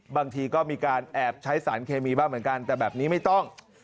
บางทีก็มีการแอบใช้สารเคมีบ้างเหมือนกันแต่แบบนี้ไม่ต้อง